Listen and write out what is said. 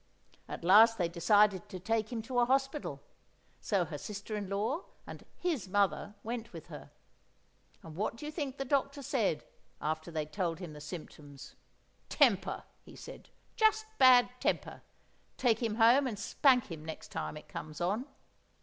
At last they decided to take him to a hospital; so her sister in law and "his" mother went with her. And what do you think the doctor said, after they'd told him the symptoms? "Temper," he says; "just bad temper. Take him home, and spank him next time it comes on."